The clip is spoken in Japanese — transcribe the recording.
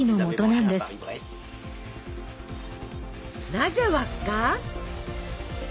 なぜ輪っか？